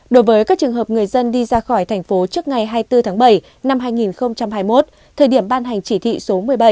đối với các trường hợp người dân đi ra khỏi thành phố trước ngày hai mươi bốn tháng bảy năm hai nghìn hai mươi một thời điểm ban hành chỉ thị số một mươi bảy